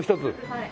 はい。